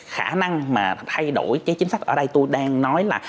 khả năng mà thay đổi cái chính sách ở đây tôi đang nói là